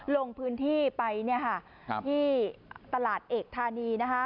ลงพื้นที่ไปที่ตลาดเอกธานี